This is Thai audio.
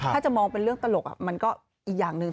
ถ้าจะมองเป็นเรื่องตลกมันก็อีกอย่างหนึ่ง